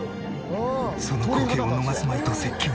その光景を逃すまいと接近。